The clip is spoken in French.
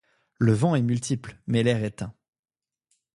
Le vent est multiple, mais l’air est un.